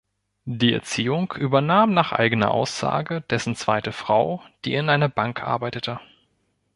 Die Erziehung übernahm nach eigener Aussage dessen zweite Frau, die in einer Bank arbeitete.